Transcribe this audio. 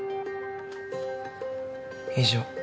以上。